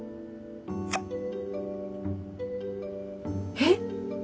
えっ！？